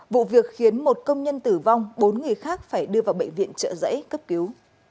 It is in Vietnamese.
vụ việc khiến một công nhân tử vong bốn người khác phải đưa vào bệnh viện trợ giấy cấp cứu